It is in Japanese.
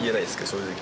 正直。